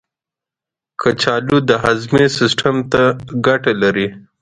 کچالو د هاضمې سیستم ته ګټه لري.